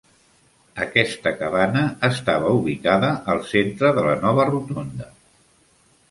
Aquesta cabanya estava ubicada al centre de la nova rotonda.